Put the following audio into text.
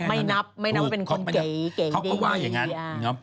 ไม่นับว่าเป็นคนเก๋ย